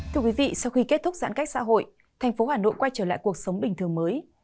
thưa quý vị sau khi kết thúc giãn cách xã hội thành phố hà nội quay trở lại cuộc sống bình thường mới